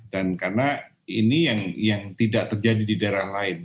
dan karena ini yang tidak terjadi di daerah lain